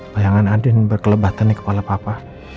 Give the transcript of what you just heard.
bayangan adin berkelebatan di kepala papa